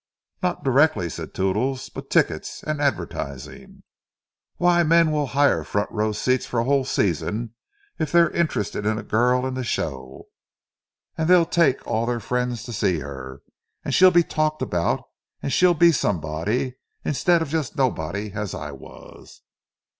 "Not directly," said Toodles; "but tickets—and advertising. Why, men will hire front row seats for a whole season, if they're interested in a girl in the show. And they'll take all their friends to see her, and she'll be talked about—she'll be somebody, instead of just nobody, as I was."